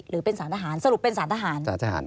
หรือเป็นสารทหารสรุปเป็นสารทหาร